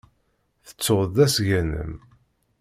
Tettud-d asga-nnem.